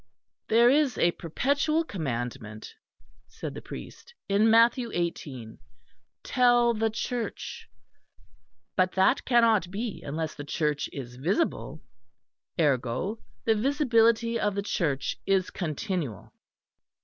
"There is a perpetual commandment," said the priest, "in Matthew eighteen 'Tell the Church'; but that cannot be unless the Church is visible; ergo, the visibility of the Church is continual."